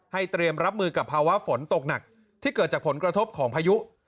เตรียมรับมือกับภาวะฝนตกหนักที่เกิดจากผลกระทบของพายุ